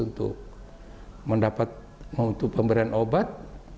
untuk mendapat untuk pemberian obat